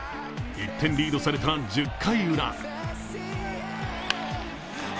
１点リードされた１０回ウラ。